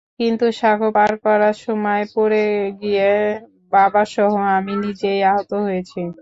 কিন্তু সাঁকো পার করার সময় পড়ে গিয়ে বাবাসহ আমি নিজেই আহত হয়েছি।